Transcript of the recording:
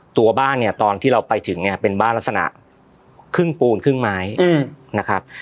ตัวบ้านเนี่ยตอนที่เราไปถึงเนี่ยเป็นบ้านลักษณะครึ่งปูนครึ่งไม้นะครับ